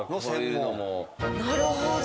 なるほど。